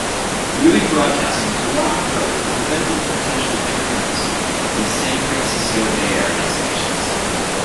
Moving broadcasting to Walnut Grove prevented potential interference with San Francisco Bay Area stations.